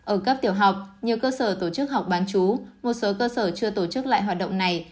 ở cấp tiểu học nhiều cơ sở tổ chức học bán chú một số cơ sở chưa tổ chức lại hoạt động này